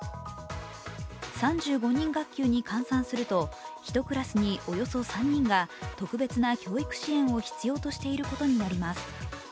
３５人学級に換算すると、１クラスにおよそ３人が特別な教育支援を必要としていることになります。